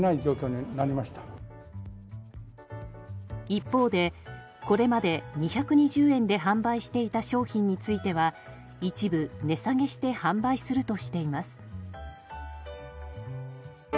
一方で、これまで２２０円で販売していた商品については一部、値下げして販売するとしています。